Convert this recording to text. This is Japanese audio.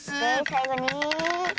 さいごに。